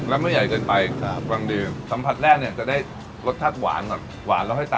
เอามาลองน้ำซุปกันดูบ้านนะฮะ